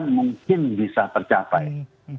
mungkin bisa tercapai